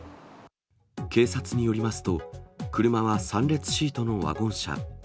警察によりますと、車は３列シートのワゴン車。